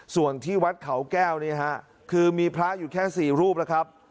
ส่วนที่วัดเขาแก้วนี่ฮะคือมีพระอยู่แค่๔รูปแล้วครับ